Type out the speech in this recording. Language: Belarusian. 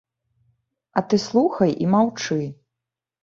А ты слухай і маўчы.